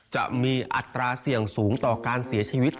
จะมีอัตราเสี่ยงสูงต่อการเสียชีวิต